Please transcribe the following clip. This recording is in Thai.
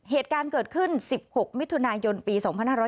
เหตุการณ์เกิดขึ้น๑๖มิถุนายนปี๒๕๖๐